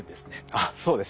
あっそうですね。